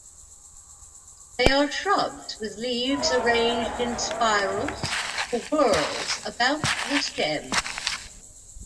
They are shrubs with leaves arranged in spirals or whorls about the stem.